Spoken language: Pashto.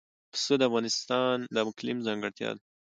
پسه د افغانستان د اقلیم ځانګړتیا ده.